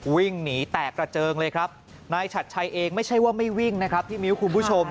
วิ่งหนีแตกกระเจิงเลยครับนายฉัดชัยเองไม่ใช่ว่าไม่วิ่งนะครับพี่มิ้วคุณผู้ชม